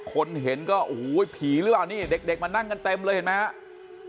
คนเห็นก็โอ้โหผีหรือเปล่านี่เด็กมานั่งกันเต็มเลยเห็นไหมครับ